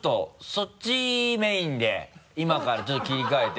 そっちメインで今からちょっと切り替えて。